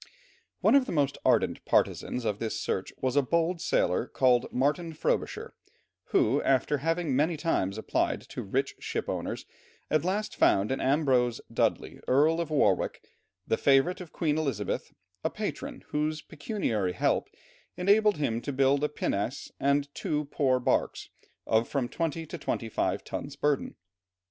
One of the most ardent partizans of this search was a bold sailor, called Martin Frobisher, who after having many times applied to rich ship owners, at last found in Ambrose Dudley, Earl of Warwick, the favourite of Queen Elizabeth, a patron, whose pecuniary help enabled him to equip a pinnace and two poor barks of from twenty to twenty five tons' burden.